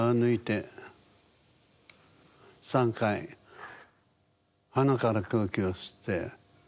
３回鼻から空気を吸って。